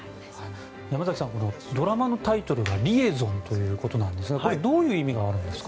山崎さんドラマのタイトルが「リエゾン」ということですがこれはどういう意味があるんですか？